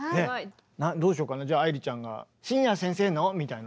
どうしようかなじゃあ愛理ちゃんが「信也先生の！」みたいな。